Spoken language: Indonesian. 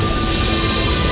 aku harus menangkapmu